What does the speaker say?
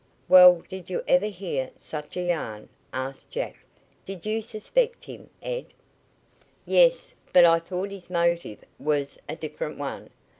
"Well, did you ever hear such a yarn?" asked Jack. "Did you suspect him, Ed?" "Yes, but I thought his motive was a different one.